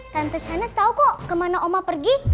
tante shanas tau kok kemana oma pergi